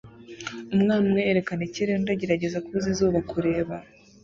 Umwana umwe yerekana ikirere undi agerageza kubuza izuba kureba